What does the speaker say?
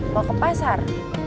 mau ke pasar